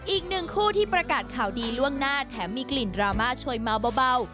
อีกหนึ่งคู่ที่ประกาศข่าวดีล่วงหน้าแถมมีกลิ่นดราม่าโชยเมาเบา